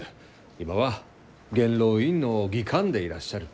今は元老院の議官でいらっしゃる。